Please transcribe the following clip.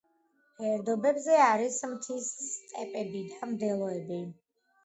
ფერდობებზე არის მთის სტეპები და მდელოები.